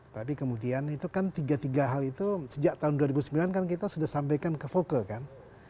tapi kemudian itu kan tiga tiga hal itu sejak tahun dua ribu sembilan kan kita sudah sampaikan ke foke kan